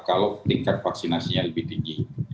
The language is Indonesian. kalau tingkat vaksinasinya lebih tinggi